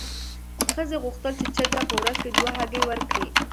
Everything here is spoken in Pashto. ښځې غوښتل چې چرګه په ورځ کې دوه هګۍ ورکړي.